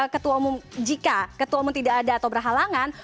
ketua umum jika ketua umum tidak ada atau berhalangan